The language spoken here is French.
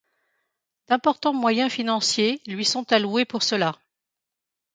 D'importants moyens financiers lui sont alloués pour cela.